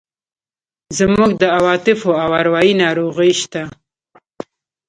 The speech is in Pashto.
زموږ د عواطفو او اروایي ناروغۍ شته.